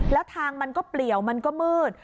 แล้วทางมันก็เปลี่ยวมันก็มืด